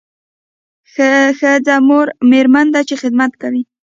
ښځه مور او میرمن ده چې خدمت کوي